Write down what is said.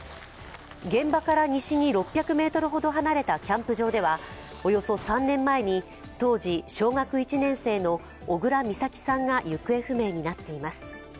現場から西に６００ｍほど離れたキャンプ場ではおよそ３年前に当時小学１年生の小倉美咲さんが行方不明になっています。